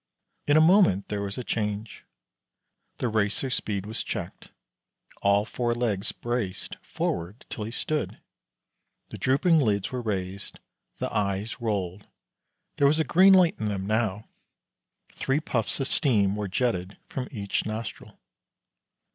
In a moment there was a change. The Racer's speed was checked, all four legs braced forward till he stood; the drooping lids were raised, the eyes rolled there was a green light in them now. Three puffs of steam were jetted from each nostril.